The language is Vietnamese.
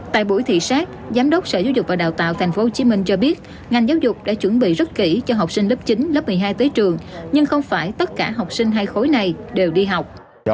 tại buổi thị xác giám đốc sở giáo dục và đào tạo tp hcm cho biết ngành giáo dục đã chuẩn bị rất kỹ cho học sinh lớp chín lớp một mươi hai tới trường nhưng không phải tất cả học sinh hai khối này đều đi học